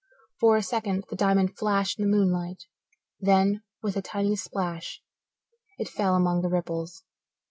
For a second the diamond flashed in the moonlight; then, with a tiny splash, it fell among the ripples.